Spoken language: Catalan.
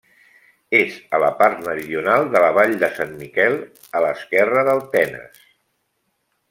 És a la part meridional de la Vall de Sant Miquel, a l'esquerra del Tenes.